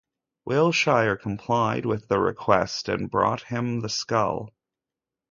Willshire complied with the request and brought him the skull.